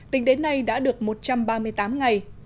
tính đến nay đã được một trăm ba mươi tám ngày